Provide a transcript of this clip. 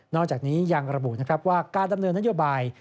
นอกจากนี้ยังระบุว่าการดำเนินนโยบาย